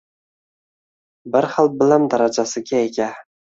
Bir xil bilim darajasiga ega.